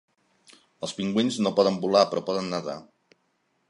Els pingüins no poden volar, però poden nadar